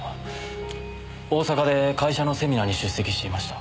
大阪で会社のセミナーに出席していました。